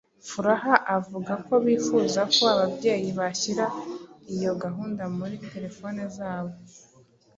Furaha , avuga ko bifuza ko ababyeyi bashyira iyo gahunda muri telephone zabo,